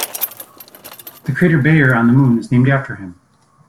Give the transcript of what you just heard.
The crater Bayer on the Moon is named after him.